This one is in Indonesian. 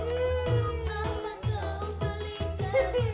untuk apa kau berikan